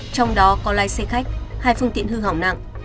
trong đó có lái xe khách hai phương tiện hư hỏng nặng